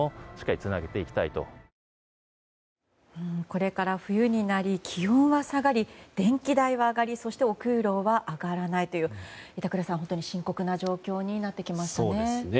これから冬になり気温は下がり電気代は上がりそしてお給料は上がらないという板倉さん、本当に深刻な状況になってきましたね。